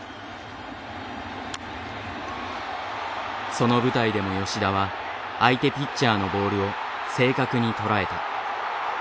その舞台でも吉田は相手ピッチャーのボールを正確にとらえた。